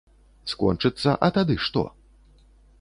Скончыцца, а тады што?